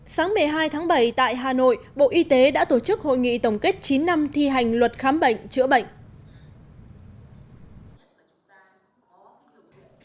sáng một mươi hai tháng bảy tại hà nội bộ y tế đã tổ chức hội nghị tổng kết chín năm thi hành luật khám bệnh chữa bệnh